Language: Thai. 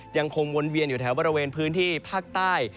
ยังคงวนเวียนอยู่แถวบริเวณพื้นที่ภาคใต้